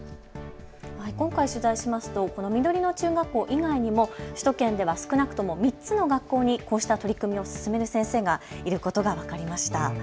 今回取材しますと、この緑野中学校以外にも首都圏では少なくとも３つの学校にこうした取り組みを進める先生がいることが分かりました。